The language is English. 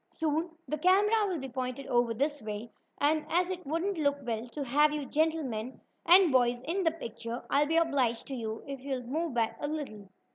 Soon the camera will be pointed over this way, and as it wouldn't look well to have you gentlemen and boys in the picture, I'll be obliged to you if you'll move back a little."